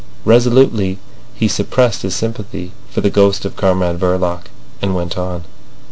Resolutely he suppressed his sympathy for the ghost of Comrade Verloc, and went on.